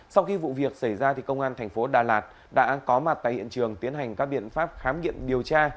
sau khi vụ việc xảy ra công an thành phố đà lạt đã có mặt tại hiện trường tiến hành các biện pháp khám nghiệm điều tra